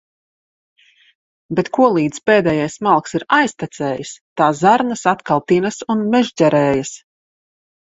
Bet kolīdz pēdējais malks ir aiztecējis, tā zarnas atkal tinas un mežģerējas.